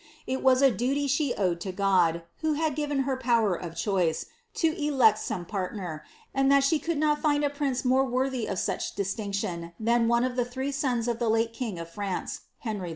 It was a duty she owed to God^ vIm> had given her power of choice, to elect some partner, and that she eoald not find a prince more worthy of such distinction than one of Ae three sons of the late king of France, Henry II.